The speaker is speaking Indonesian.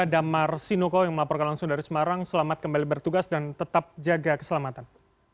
damar sinuko yang melaporkan langsung dari semarang selamat kembali bertugas dan tetap jaga keselamatan